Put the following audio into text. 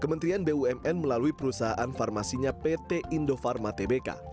kementerian bumn melalui perusahaan farmasinya pt indofarma tbk